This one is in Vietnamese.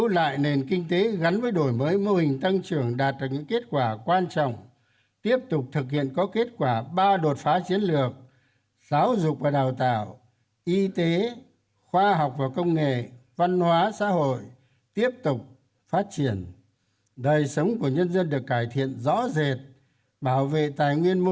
là năm kỷ niệm một trăm linh năm thành lập đảng và tầm nhìn phát triển đất nước đến năm hai nghìn bốn mươi năm